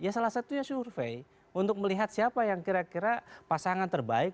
ya salah satunya survei untuk melihat siapa yang kira kira pasangan terbaik